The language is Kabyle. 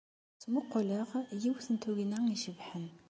Ttmuquleɣ yiwet n tugna icebḥen.